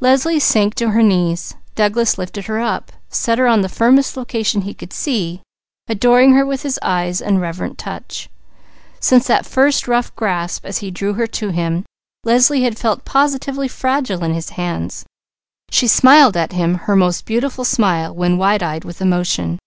Leslie sank to her knees. Douglas lifted her up, set her on the firmest location he could see, adoring her with his eyes and reverent touch. Since that first rough grasp as he drew her to him, Leslie had felt positively fragile in his hands. She smiled at him her most beautiful smile when wide eyed with emotion.